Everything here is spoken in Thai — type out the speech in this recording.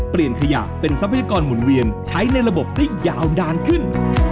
เปลี่ยนขยะเป็นทรัพยากรหมุนเวียนใช้ในระบบได้ยาวนานขึ้น